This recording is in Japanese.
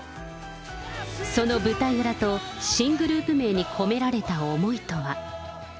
その舞台裏と新グループ名に込められた思いとは。